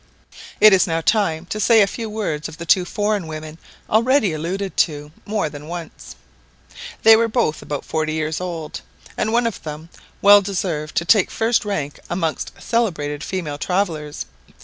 It is now time to say a few words of the two foreign women already alluded to more than once. They were both about forty years old, and one of them well deserved to take first rank amongst celebrated female travellers.